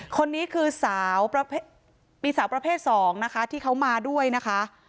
คนนี้คือสาวมีสาวประเภท๒นะคะที่เขามาด้วยนะคะ